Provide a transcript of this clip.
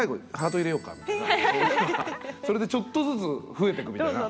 それでちょっとずつ増えてくみたいな。